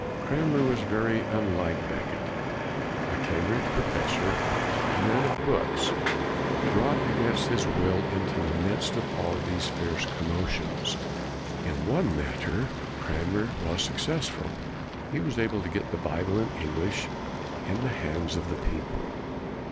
Cranmer was very unlike Becket: a Cam bridge professor, a man of books, brought against his will into the midst of all these fierce commotions. In one matter Cranmer was successful. He was able to get the Bible in English into the hands of the people.